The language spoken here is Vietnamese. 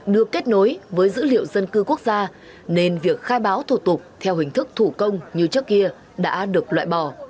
được kết nối với dữ liệu dân cư quốc gia nên việc khai báo thủ tục theo hình thức thủ công như trước kia đã được loại bỏ